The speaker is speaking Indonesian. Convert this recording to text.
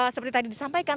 seperti tadi disampaikan